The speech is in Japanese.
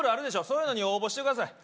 そういうのに応募してください